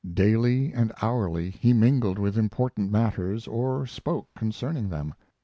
Daily and hourly he mingled with important matters or spoke concerning them.